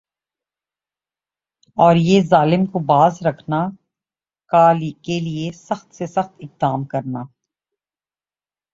اور یِہ ظالم کو باز رکھنا کا لئے سخت سے سخت اقدامات کرنا